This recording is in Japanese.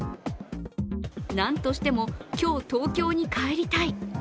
なんとしても今日、東京に帰りたい。